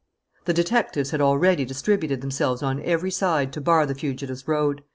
The detectives had already distributed themselves on every side to bar the fugitive's road.